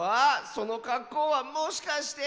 そのかっこうはもしかして。